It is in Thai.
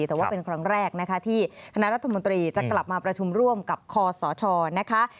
แต่ว่าเป็นครั้งแรกนะคะที่คณะรัฐมนตรีจะกลับมาประชุมร่วมกับคอสชนะคะ